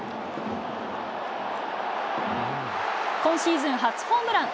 今シーズン初ホームラン。